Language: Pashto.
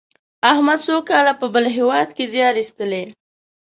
احمد څو کاله په بل هېواد کې زیار ایستلی.